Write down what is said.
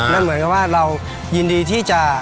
เหมือนกับว่าเรายินดีที่จะ